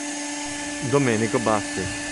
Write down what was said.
Domenico Bassi